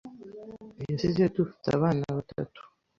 yasize dufite abana batatu,